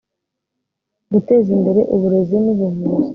guteza imbere uburezi n ubuvuzi